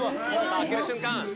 開ける瞬間。